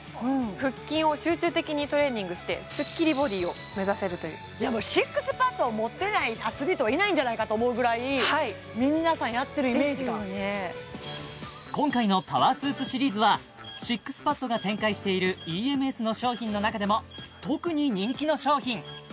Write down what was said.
腹筋を集中的にトレーニングしてスッキリボディを目指せるといういやもうＳＩＸＰＡＤを持ってないアスリートはいないんじゃないかと思うぐらい皆さんやってるイメージが今回のパワースーツシリーズはＳＩＸＰＡＤが展開しているＥＭＳの商品の中でも特に人気の商品